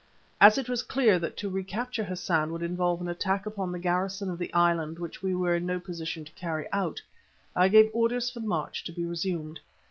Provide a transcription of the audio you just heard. As it was clear that to recapture Hassan would involve an attack upon the garrison of the island which we were in no position to carry out, I gave orders for the march to be resumed.